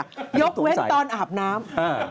ฟังต่อนี่ค่ะยกเว้นตอนอาบน้ำ